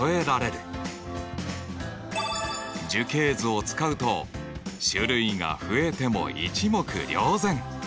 樹形図を使うと種類が増えても一目瞭然。